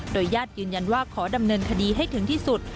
ญาติยืนยันว่าขอดำเนินคดีให้ถึงที่สุด